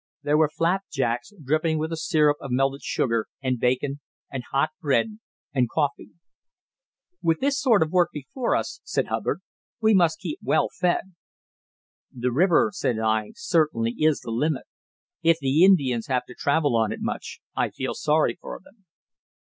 There were flapjacks dripping with the syrup of melted sugar, and bacon, and hot bread, and coffee. "With this sort of work before us," said Hubbard, "we must keep well fed." "The river," said I, "certainly is the limit. If the Indians have to travel on it much, I feel sorry for them."